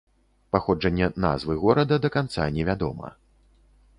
Паходжанне назвы горада да канца невядома.